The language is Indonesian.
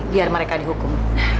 biar mereka dihukum